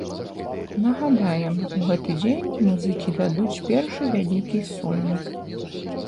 Нагадаем, у гэты дзень музыкі дадуць першы вялікі сольнік.